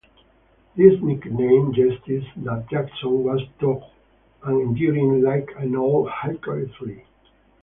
This nickname suggested that Jackson was tough and enduring like an old Hickory tree.